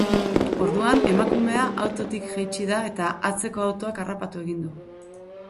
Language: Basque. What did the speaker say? Orduan, emakumea autotik jaitsi da eta atzeko autoak harrapatu egin du.